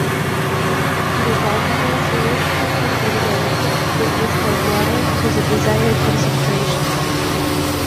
This alcohol solution is then diluted with distilled water to the desired concentration.